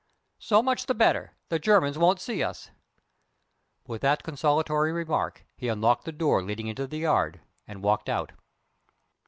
"So much the better. The Germans won't see us." With that consolatory remark he unlocked the door leading into the yard, and walked out.